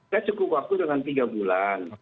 saya cukup waktu dengan tiga bulan